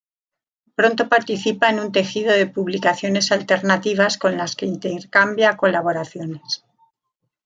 Pronto participa en un tejido de publicaciones alternativas con las que intercambia colaboraciones.